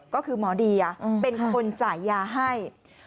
ก็คือหมอเดียเป็นคนจ่ายยาให้